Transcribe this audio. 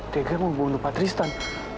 tega mau bunuh patristan